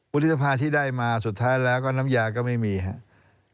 วุฒิสภาที่ได้มาสุดท้ายแล้วก็น้ำยาก็ไม่มีครับ